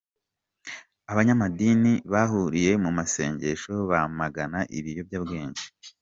Abanyamadini bahuriye mu masengesho bamagana ibiyobyabwenge